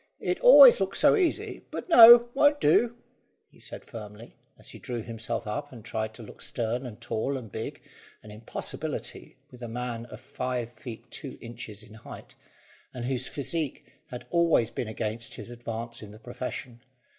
It always looks so easy. But no; won't do," he said firmly, as he drew himself up and tried to look stern and tall and big, an impossibility with a man of five feet two inches in height, and whose physique had always been against his advance in the profession.